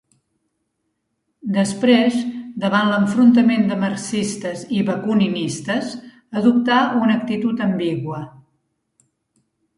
Després, davant l'enfrontament de marxistes i bakuninistes, adoptà una actitud ambigua.